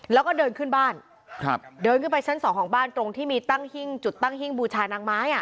แล้วก็เดินขึ้นบ้านเดินขึ้นไปชั้น๒ของบ้านตรงที่มีจุดตั้งหิ้งบูชานางไม้